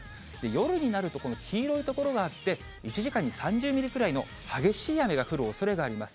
夜になると、この黄色い所があって、１時間に３０ミリくらいの激しい雨が降るおそれがあります。